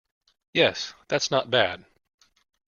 Yes, that's not bad.